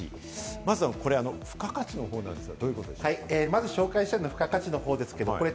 まず付加価値の方なんですが。